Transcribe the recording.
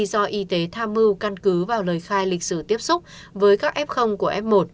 do y tế tham mưu căn cứ vào lời khai lịch sử tiếp xúc với các f của f một